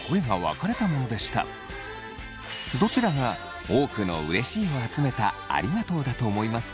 どちらが多くのうれしいを集めたありがとうだと思いますか？